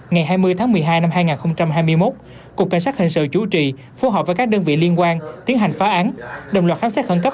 ngày hai mươi tháng một mươi hai năm hai nghìn hai mươi một cục cảnh sát hình sự chủ trì phối hợp với các đơn vị liên quan tiến hành phá án đồng loạt khám xét khẩn cấp